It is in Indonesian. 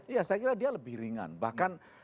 iya saya kira dia lebih ringan bahkan